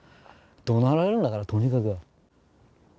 怒鳴られるんだからとにかく。